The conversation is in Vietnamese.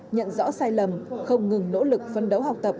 nhận rõ sai lầm không ngừng nỗ lực phân đấu học tập